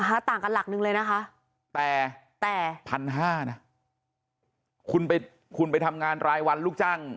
ต่างกันหลักนึงเลยนะคะแต่แต่พันห้านะคุณไปคุณไปทำงานรายวันลูกจ้าง